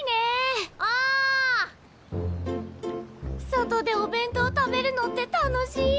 外でお弁当食べるのって楽しい！